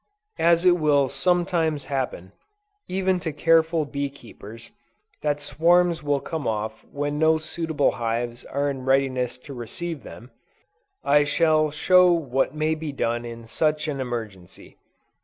As it will sometimes happen, even to careful bee keepers, that swarms will come off when no suitable hives are in readiness to receive them, I shall show what may be done in such an emergency.